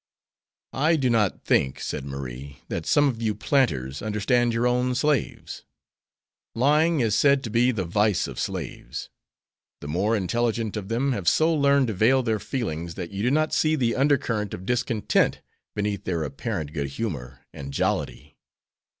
"I do not think," said Marie, "that some of you planters understand your own slaves. Lying is said to be the vice of slaves. The more intelligent of them have so learned to veil their feelings that you do not see the undercurrent of discontent beneath their apparent good humor and jollity.